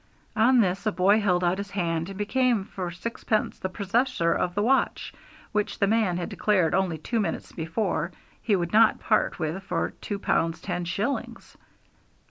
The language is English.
On this a boy held out his hand, and became for sixpence the possessor of the watch, which the man had declared only two minutes before he would not part with for two pounds ten shillings!